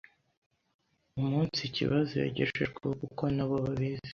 Umunsi kibazo yagejejweho koko nabo babizi